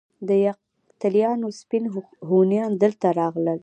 د یفتلیانو سپین هونیان دلته راغلل